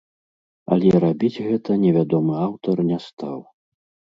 Але рабіць гэта невядомы аўтар не стаў.